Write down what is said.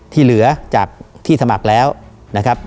ที่เหลือจากที่สมัครแล้วนะครับ